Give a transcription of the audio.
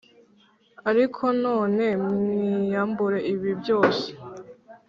Ariko none mwiyambure ibi byose